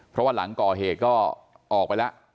เพราะว่าหลังก่อเหตุก็ออกไปแล้ว